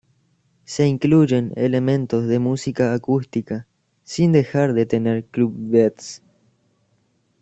Se incluyen elementos de música acústica, sin dejar de tener Club Beats.